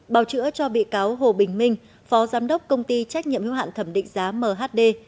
bào chữa cho bị cáo hồ bình minh phó giám đốc công ty trách nhiệm hiếu hạn thẩm định giá mhd